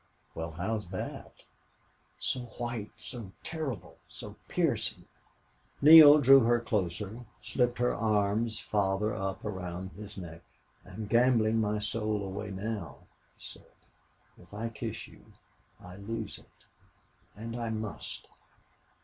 "Well, how's that?" "So white so terrible so piercing!" Neale drew her closer, slipped her arms farther up round his neck. "I'm gambling my soul away now," he said. "If I kiss you I lose it and I must!"